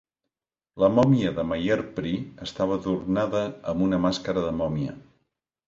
La mòmia de Maiherpri estava adornada amb una màscara de mòmia.